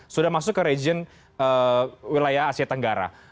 sudah masuk ke region wilayah asia tenggara